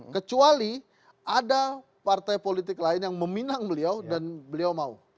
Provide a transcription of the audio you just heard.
kecuali ada partai politik lain yang meminang beliau dan beliau mau